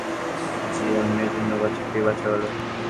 যে আমাকে আজ আবার শিখিয়েছে যে অন্যের জন্য বাঁচাকেই বাঁচা বলে।